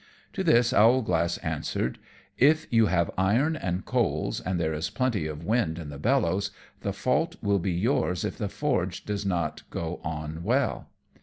To this Owlglass answered, "If you have iron and coals, and there is plenty of wind in the bellows, the fault will be yours if the forge does not go on well."